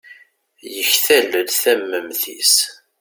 yektal-d tamemt-is